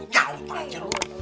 jauh pak jauh